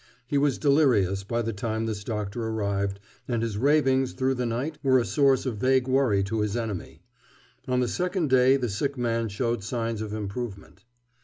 He was delirious by the time this doctor arrived, and his ravings through the night were a source of vague worry to his enemy. On the second day the sick man showed signs of improvement.